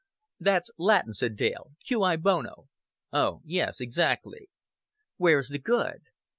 "That's Latin," said Dale. "Q. I. Bono." "Oh, yes exactly." "Where's the good?